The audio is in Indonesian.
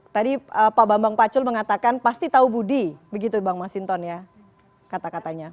tadi pak bambang pacul mengatakan pasti tahu budi begitu bang masinton ya kata katanya